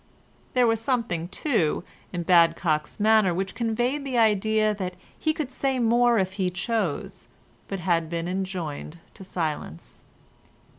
There was something, too, in Badcock's manner which conveyed the idea that he could say more if he chose, but had been enjoined to silence.